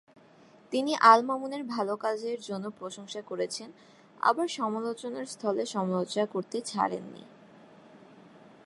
তিনি আল মামুনের ভালো কাজের জন্য প্রশংসা করেছেন আবার সমালোচনার স্থলে সমালোচনা করতে ছাড়েন নি।